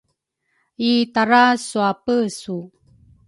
i-tara suapesu.